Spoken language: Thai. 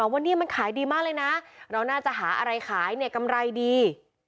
ว่านี่มันขายดีมากเลยนะเราน่าจะหาอะไรขายเนี่ยกำไรดี